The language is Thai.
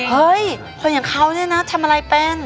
เฮ้ยคนอย่างเขาเนี่ยนะทำอะไรเป็น